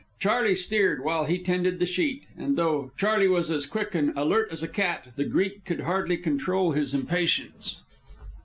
Charley steered while he tended the sheet; and though Charley was as quick and alert as a cat, the Greek could hardly control his impatience.